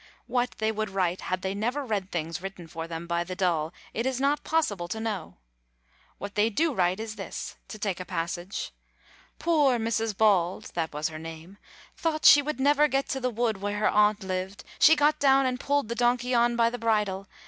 What they would write had they never read things written for them by the dull, it is not possible to know. What they do write is this to take a passage: "Poor Mrs. Bald (that was her name) thought she would never get to the wood where her aunt lived, she got down and pulled the donky on by the bridal .